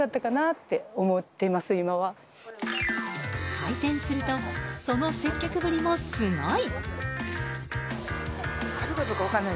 開店するとその接客ぶりもすごい。